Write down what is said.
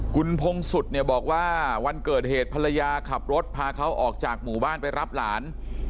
คุณพงศุษย์เนี่ยบอกว่าวันเกิดเหตุภรรยาขับรถพาเขาออกจากหมู่บ้านไปรับหลาน